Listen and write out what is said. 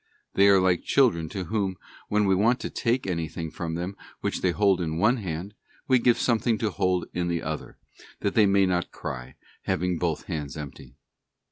They are like children to whom, when we want to take anything from them which they hold in one hand, we give something to hold in the other, that they may not cry, having both hands empty.